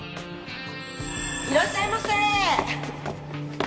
いらっしゃいませ！